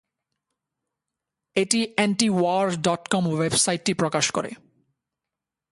এটি antiwar dot com ওয়েবসাইটটি প্রকাশ করে।